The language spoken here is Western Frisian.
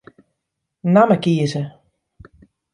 Namme kieze.